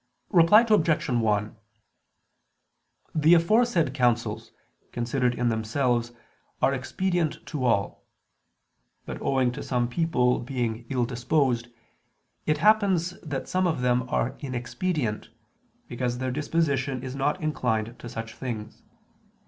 Reply Obj. 1: The aforesaid counsels, considered in themselves, are expedient to all; but owing to some people being ill disposed, it happens that some of them are inexpedient, because their disposition is not inclined to such things.